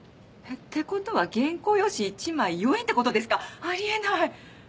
ってことは原稿用紙１枚４円ってことですかあり得ない！